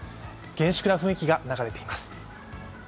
厳粛な雰囲気が流れています。